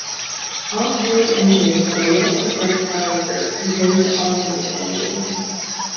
Off-road engines have a less abrupt power curve compared to on-road engines.